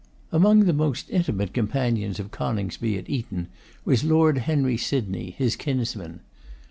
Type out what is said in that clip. Among the most intimate companions of Coningsby at Eton, was Lord Henry Sydney, his kinsman.